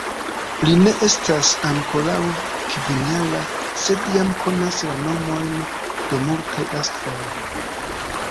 Li ne estas ankoraŭ kvinjara, sed jam konas la nomojn de multaj astroj.